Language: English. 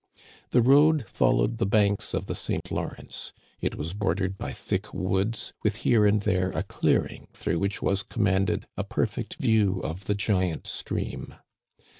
The road followed the banks of the St Lawrence. It was bordered by thick woods, with here and there a clearing through which was commanded a perfect view of the giant stream.